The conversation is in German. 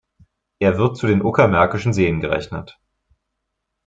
Er wird zu den Uckermärkischen Seen gerechnet.